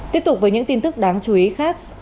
tiếp tục với những tin tức đáng chú ý khác